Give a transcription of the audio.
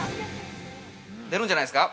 ◆出るんじゃないですか！？